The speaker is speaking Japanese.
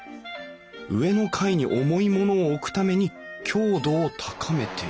上の階に重い物を置くために強度を高めている。